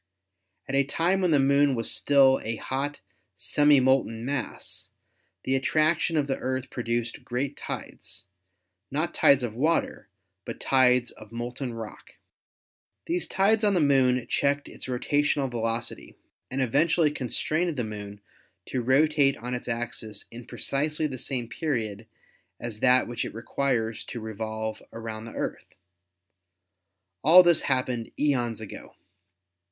At a time when the Moon was still a hot, semi molten mass, the attraction of the Earth produced great tides, not tides of water, but tides of molten rock. These tides on the Moon checked its rotational velocity and eventually constrained the Moon to rotate on its axis in precisely the same period as that which it requires to revolve around the Earth. All this happened eons ago.